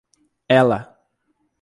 Ela!